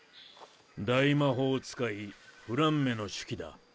大魔法使いフランメの手記だ。